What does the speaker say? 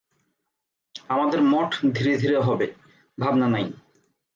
আমাদের মঠ ধীরে ধীরে হবে, ভাবনা নাই।